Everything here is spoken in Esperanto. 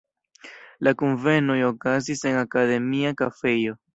La kunvenoj okazis en Akademia kafejo.